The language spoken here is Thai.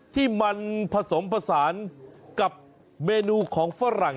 ที่มันผสมผสานกับเมนูของฝรั่ง